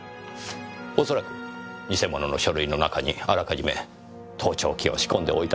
恐らく偽物の書類の中にあらかじめ盗聴器を仕込んでおいたのでしょう。